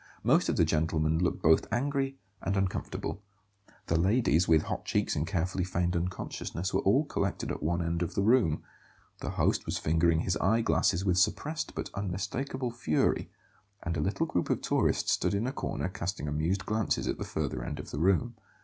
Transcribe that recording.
Most of the gentlemen looked both angry and uncomfortable; the ladies, with hot cheeks and carefully feigned unconsciousness, were all collected at one end of the room; the host was fingering his eye glasses with suppressed but unmistakable fury, and a little group of tourists stood in a corner casting amused glances at the further end of the room.